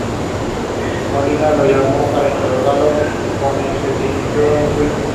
Molina lo llamó para interrogarlo, con lo que se inició un juicio.